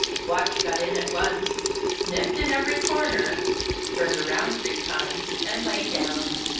Watch got in at once, sniffed in every corner, turned around three times, and lay down.